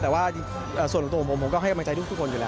แต่ว่าส่วนตัวของผมผมก็ให้กำลังใจทุกคนอยู่แล้ว